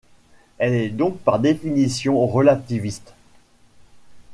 Elle est donc par définition relativiste.